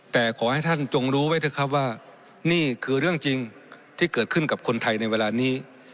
แต่ขอให้ท่านจงรู้ไว้เถอะครับว่านี่คือเรื่องจริงที่เกิดขึ้นกับคนไทยในเวลานี้